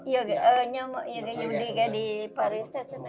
ya nyamuknya di periksa